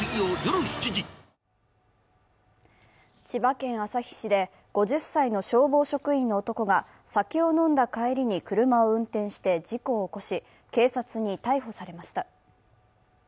千葉県旭市で５０歳の消防職員の男が酒を飲んだ帰りに車を運転して事故を起こし、警察に逮捕されました。